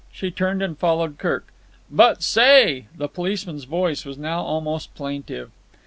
She turned and followed Kirk. "But, say——" The policeman's voice was now almost plaintive.